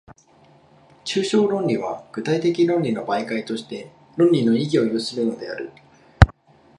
抽象論理は具体的論理の媒介として、論理の意義を有するのである。